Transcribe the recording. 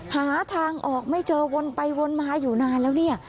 หาทางออกไม่เจอวนไปวนมาอยู่นานแล้วเนี่ย